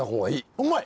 うまい？